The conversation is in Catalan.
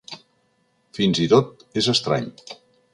Fins i tot és estrany.